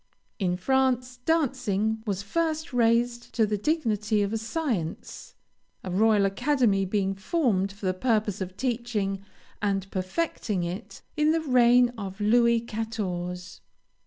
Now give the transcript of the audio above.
In France, dancing was first raised to the dignity of a science, a royal academy being founded for the purpose of teaching and perfecting it, in the reign of Louis Quatorze.